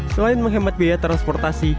selain menghemat biaya transportasi